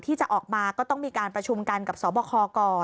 ที่จะออกมาก็ต้องมีการประชุมกันกับสบคก่อน